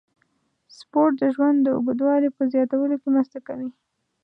سپورت د ژوند د اوږدوالي په زیاتولو کې مرسته کوي.